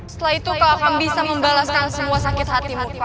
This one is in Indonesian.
setelah itu kau akan bisa membalaskan semua sakit hatimu pada siapa